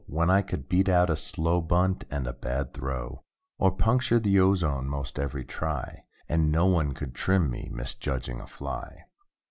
When I could beat out a slow bunt and bad throw; Or puncture the ozone, most every try; And no one could trim me misjudging a fly.